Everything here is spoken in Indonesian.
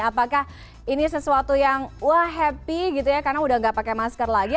apakah ini sesuatu yang wah happy gitu ya karena udah nggak pakai masker lagi